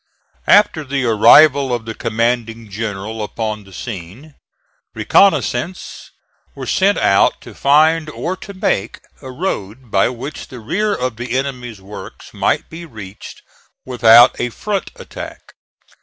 After the arrival of the commanding general upon the scene, reconnoissances were sent out to find, or to make, a road by which the rear of the enemy's works might be reached without a front attack.